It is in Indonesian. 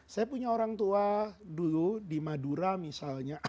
saya punya orang tua dulu di madura misalnya